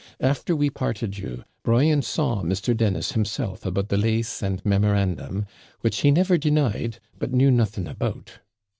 After we parted you, Brian saw Mr. Dennis himself about the LASE and memorandum, which he never denied, but knew nothing about.